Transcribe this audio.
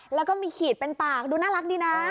แล้วก็มีขีดเป็นปากดูน่ารักดีนะ